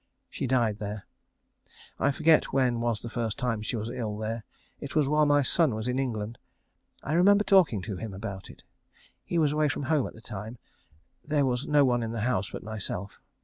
She died there. I forget when was the first time she was ill there. It was while my son was in England. I remember talking to him about it. He was away from home at the time. There was no one in the house but myself.